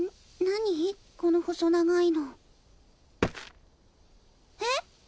何この細長いのえ？